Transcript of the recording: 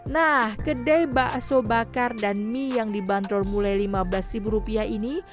nah kedai bakso bakar dan mie yang dibanderol mulai lima belas rupiah ini